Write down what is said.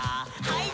はい。